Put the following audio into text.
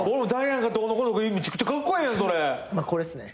まあこれっすね。